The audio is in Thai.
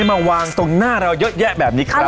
มาวางตรงหน้าเราเยอะแยะแบบนี้ครับ